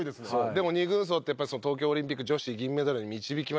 で鬼軍曹って東京オリンピック女子銀メダルに導きました。